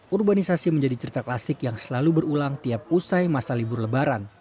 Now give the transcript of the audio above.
urbanisasi menjadi cerita klasik yang selalu berulang tiap usai masa libur lebaran